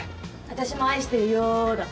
私も愛してるよだ！